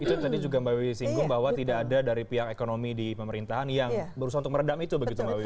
itu tadi juga mbak wiwi singgung bahwa tidak ada dari pihak ekonomi di pemerintahan yang berusaha untuk meredam itu begitu mbak wiwi